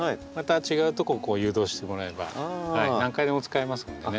違うとこを誘導してもらえば何回でも使えますのでね。